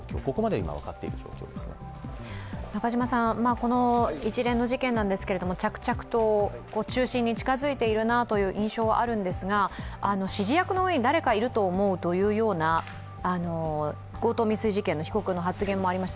この一連の事件なんですけれども、着々と中心に近付いているなという印象はあるんですが、指示役の上に誰かいると思うという強盗未遂事件の被告の発言もありました。